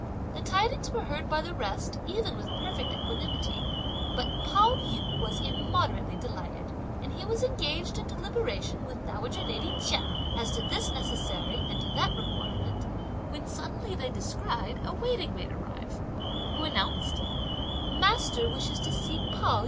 The tidings were heard by the rest even with perfect equanimity, but Pao yü was immoderately delighted; and he was engaged in deliberation with dowager lady Chia as to this necessary and to that requirement, when suddenly they descried a waiting maid arrive, who announced: "Master wishes to see Pao yü."